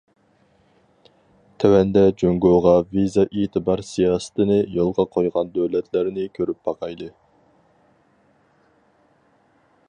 تۆۋەندە جۇڭگوغا ۋىزا ئېتىبار سىياسىتىنى يولغا قويغان دۆلەتلەرنى كۆرۈپ باقايلى.